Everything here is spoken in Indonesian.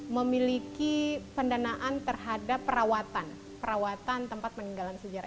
memiliki pendanaan terhadap perawatan tempat peninggalan sejarah